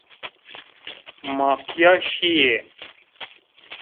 Ma pîya şîyî